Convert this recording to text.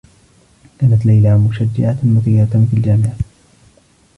كانت ليلى مشجّعة مثيرة في الجامعة.